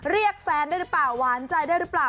เรียกแฟนได้หรือเปล่าหวานใจได้หรือเปล่า